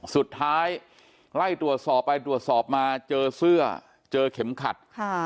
สุดท้ายไล่ตรวจสอบไปตรวจสอบมาเจอเสื้อเจอเข็มขัด